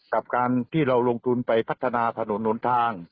กับการที่เราลงทุนไปพัฒนาถนนหนทาง